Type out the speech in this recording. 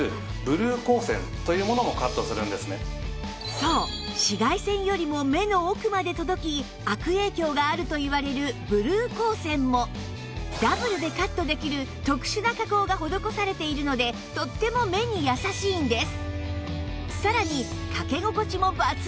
そう紫外線よりも目の奥まで届き悪影響があるといわれるブルー光線もダブルでカットできる特殊な加工が施されているのでとっても目に優しいんです